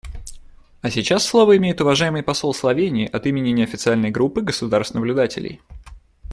А сейчас слово имеет уважаемый посол Словении от имени неофициальной группы государств-наблюдателей.